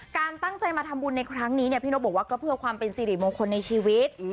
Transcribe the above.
การตั้งใจมาทำบุญในครั้งนี้เนี่ยพี่นกบอกว่าก็เพื่อความเป็นสิริมงคลในชีวิต